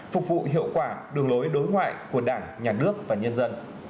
phục vụ hiệu quả đường lối đối ngoại của đảng nhà nước và nhân dân